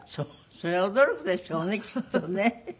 それは驚くでしょうねきっとね。